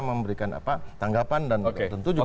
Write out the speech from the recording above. memberikan tanggapan dan tentu juga